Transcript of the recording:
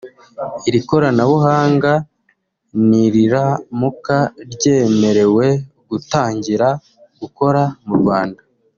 Iri koranabuhanga niriramuka ryemerewe gutangira gukora mu Rwanda